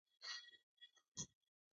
هغه د تړونونو ژمنتيا ساتله.